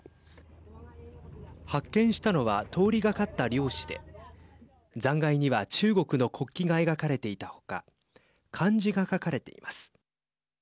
発見したのは通りがかった漁師で残骸には中国の国旗が描かれていた他漢字が書かれています。